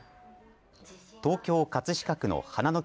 東京・葛飾区の花の木